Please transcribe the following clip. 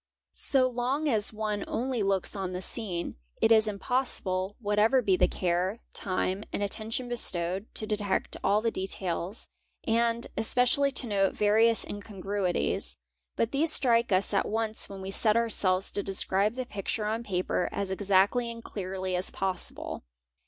So long as one only looks o: the scene, it is impossible, whatever be the care, time, and attention bestowed, to detect all the details, and especially to note various incon gruities: but these strike us at once when we set ourselves to describe the picture on paper as exactly and cléarly as possible.